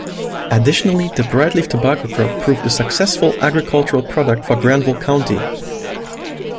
Additionally, the bright leaf tobacco crop proved a successful agricultural product for Granville County.